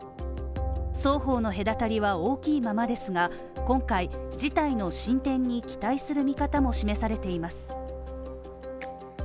双方の隔たりは大きいままですが今回、事態の進展に期待する見方も示されています。